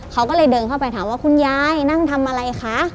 เขาก็เลยเดินเข้าไปถามว่าคุณยายนั่งทำอะไรคะ